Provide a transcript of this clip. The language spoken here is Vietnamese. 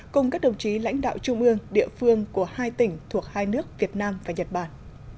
cùng các đồng chí lãnh đạo trung ương địa phương của hai tỉnh thuộc hai nước việt nam và nhật bản